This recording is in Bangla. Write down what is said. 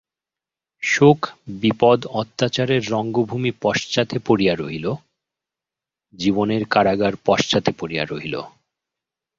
শোক বিপদ অত্যাচারের রঙ্গভূমি পশ্চাতে পড়িয়া রহিল– জীবনের কারাগার পশ্চাতে পড়িয়া রহিল।